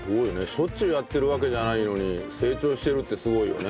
しょっちゅうやってるわけじゃないのに成長してるってすごいよね。